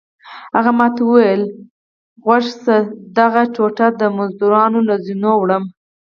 هغه ما ته وویل غوږ شه زه دغه غوټې د مزدورانو له زینو وړم.